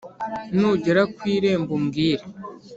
nugera ku irembo umbwire